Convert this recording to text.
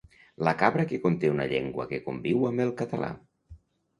La cabra que conté una llengua que conviu amb el català.